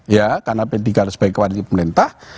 ya karena p tiga sebagai kepala pemerintah